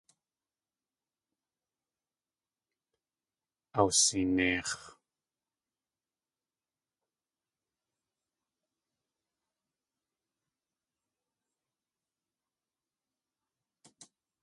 Awsineix̲.